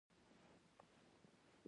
پلار د کور رحمت دی.